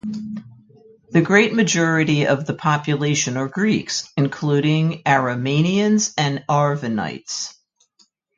The great majority of the population are Greeks, including Aromanians and Arvanites.